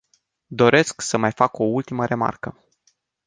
Doresc să mai fac o ultimă remarcă.